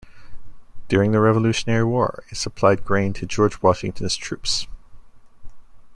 During the Revolutionary War it supplied grain to George Washington's troops.